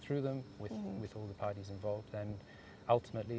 dengan semua partai yang terlibat